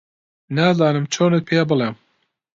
نازانم چۆنت پێ بڵێم